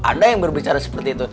ada yang berbicara seperti itu